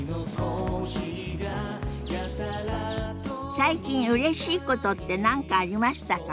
最近うれしいことって何かありましたか？